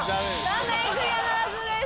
残念クリアならずです。